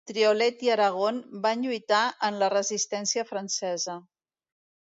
Triolet i Aragon van lluitar en la Resistència Francesa.